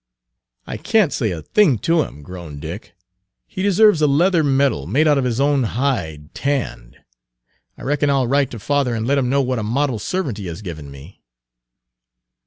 Page 189 "I can't say a thing to him," groaned Dick. "He deserves a leather medal, made out of his own hide tanned. I reckon I'll write to father and let him know what a model servant he has given me."